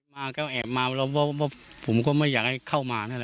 มาก็แอบมาแล้วผมก็ไม่อยากให้เข้ามานั่นแหละ